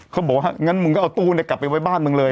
เขาบอกว่างั้นมึงก็เอาตู้กลับไปไว้บ้านมึงเลย